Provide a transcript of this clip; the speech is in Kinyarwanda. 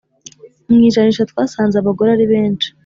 mu ijanisha twasanze abagore aribenshi